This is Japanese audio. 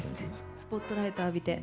スポットライト浴びて。